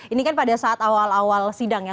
ini kan pada saat awal awal sidang ya